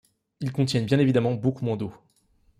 Ils contiennent bien évidemment beaucoup moins d'eau.